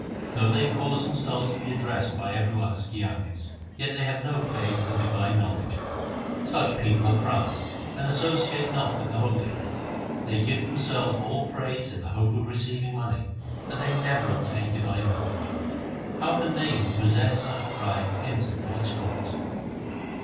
Though they cause themselves to be addressed by every one as gyanis, yet they have no faith or divine knowledge. Such people are proud, and associate not with the holy. They give themselves all praise in the hope of receiving money, but they never obtain divine knowledge. How can they who possess such pride enter God's court